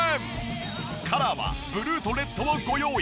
カラーはブルーとレッドをご用意。